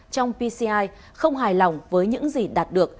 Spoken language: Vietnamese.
trong pci không hài lòng với những gì đạt được